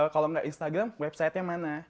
kalau enggak instagram website nya mana